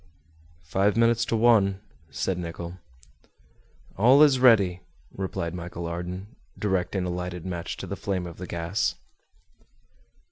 "Five minutes to one," said Nicholl. "All is ready," replied Michel Ardan, directing a lighted match to the flame of the gas.